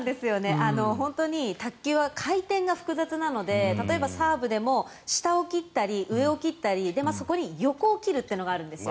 本当に卓球は回転が複雑なので例えばサーブでも下を切ったり上を切ったりそこに横を切るというのがあるんですよ。